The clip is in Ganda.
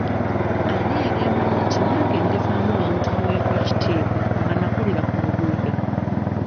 Ani yali amanyi nti nange ndivaamu omuntu aweebwa ekitiibwa nga nnakulira ku luguudo?